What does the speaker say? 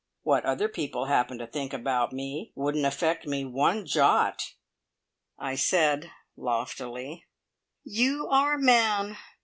What other people happened to think about me wouldn't affect me one jot." I said loftily: "You are a man.